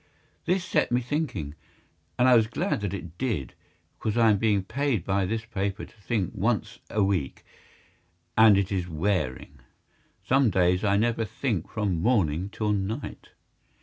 This set me thinking; and I was glad that it did, because I am being paid by this paper to think once a week, and it is wearing. Some days I never think from morning till night.